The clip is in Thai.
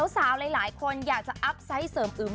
หลายคนอยากจะอัพไซต์เสริมอึม